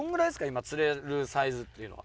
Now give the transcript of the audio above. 今釣れるサイズというのは。